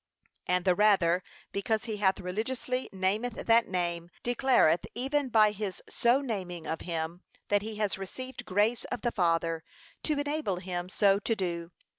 And the rather, because he that religiously nameth that name, declareth even by his so naming of him, that he has received grace of the Father, to enable him so to do.